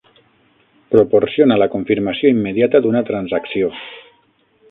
Proporciona la confirmació immediata d'una transacció.